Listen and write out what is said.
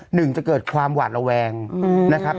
หนึ่งจะเกิดความหวาดระแวงนะครับ